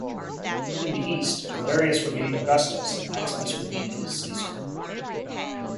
In the East, Galerius remained Augustus and Maximinus remained his Caesar.